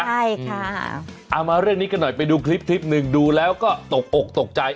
ใช่ค่ะเอามาเรื่องนี้กันหน่อยไปดูคลิปคลิปหนึ่งดูแล้วก็ตกอกตกใจ